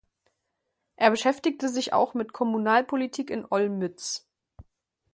Er beschäftigte sich auch mit Kommunalpolitik in Olmütz.